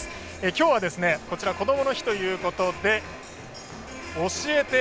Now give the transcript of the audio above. きょうはこどもの日ということで「教えて！